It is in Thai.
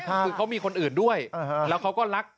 คือเขามีคนอื่นด้วยแล้วเขาก็รัก